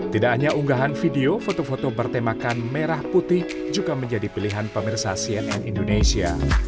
tidak hanya unggahan video foto foto bertemakan merah putih juga menjadi pilihan pemirsa cnn indonesia